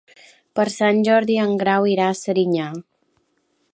Per Sant Jordi en Guerau irà a Serinyà.